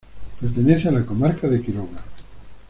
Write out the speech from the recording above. Pertenece a la Comarca de Quiroga.